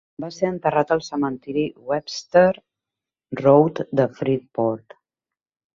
Va ser enterrat al cementiri Webster Road de Freeport.